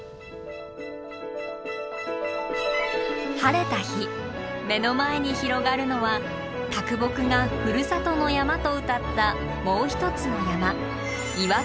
晴れた日目の前に広がるのは啄木がふるさとの山と詠ったもう一つの山